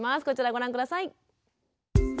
こちらご覧下さい。